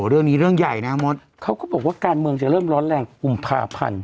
เรื่องนี้เรื่องใหญ่นะมดเขาก็บอกว่าการเมืองจะเริ่มร้อนแรงกุมภาพันธ์